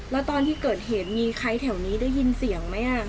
แล้วตอนที่เกิดเหตุมีใครแถวนี้ได้ยินเสียงไหม